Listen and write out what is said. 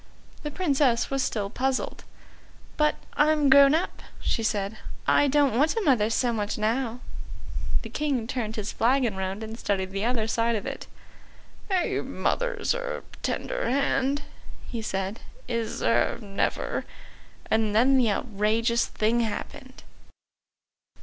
The Princess was still puzzled. "But I'm grown up," she said; "I don't want a mother so much now." The King turned his flagon round and studied the other side of it. "A mother's er tender hand," he said, "is er never " and then the outrageous thing happened.